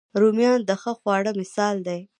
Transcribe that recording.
رومیان د ښه خواړه مثال دي